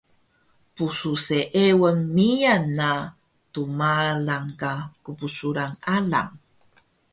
Psseengun miyan na tmalang ka qbsuran alang